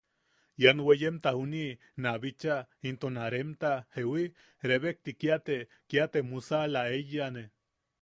Ian weyemta juni na bicha into na remta ¿jewi? rebekti kia te kia te musaʼala eiyane.